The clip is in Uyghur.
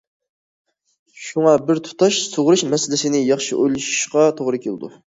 شۇڭا بىر تۇتاش سۇغىرىش مەسىلىسىنى ياخشى ئويلىشىشقا توغرا كېلىدۇ.